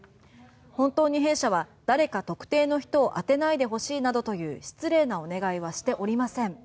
本当に弊社は誰か特定の人を当てないでほしいなどという失礼なお願いはしておりません。